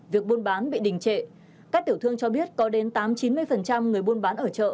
việc buôn bán bị đình trệ các tiểu thương cho biết có đến tám chín mươi người buôn bán ở chợ